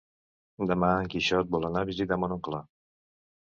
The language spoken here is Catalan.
Demà en Quixot vol anar a visitar mon oncle.